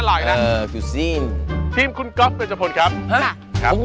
พัดหนึ่งสายลมนูเป็นร้านแบบเบาสายลมแผ่ว